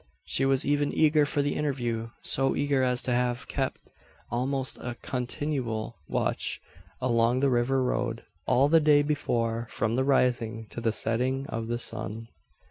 She was even eager for the interview so eager, as to have kep almost a continual watch along the river road, all the day before, from the rising to the setting of the sun.